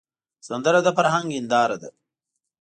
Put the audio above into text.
سندره د فرهنګ هنداره ده